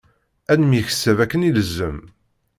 Ad nemyeksab akken ilzem.